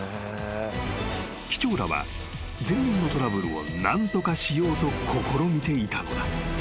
［機長らは前輪のトラブルを何とかしようと試みていたのだ］